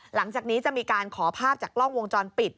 หลังจากนี้จะมีการขอภาพจากกล้องวงจรปิด